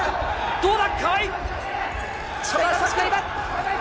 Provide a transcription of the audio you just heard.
どうだ？